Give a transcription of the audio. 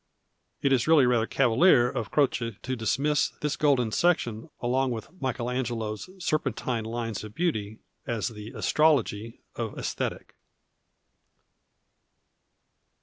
It is really rather cavalier of Croce to dismiss this golden section along with Michael Angelo's serpentine lines of beauty as the astrology of ^^sthetic.